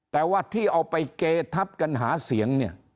แต่ว่าที่เอาไปเกทับกันหาเสียงเนี่ย